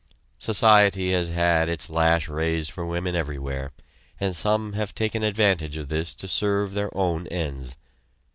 Society has had its lash raised for women everywhere, and some have taken advantage of this to serve their own ends.